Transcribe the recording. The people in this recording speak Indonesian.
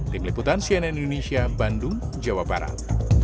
tim liputan cnn indonesia bandung jawa barat